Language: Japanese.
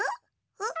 うん？